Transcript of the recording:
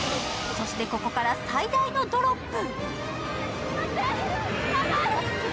そして、ここから最大のドロップ。